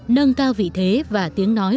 nâng cao vị thế và tiếng nói